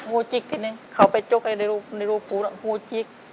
งูจิ๊กนิดหนึ่งเขาไปจุกในรูปูน่ะงูจิ๊ก